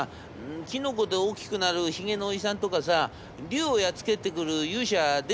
キノコで大きくなるひげのおじさんとかさ竜をやっつけてくる勇者は出てくるの？』。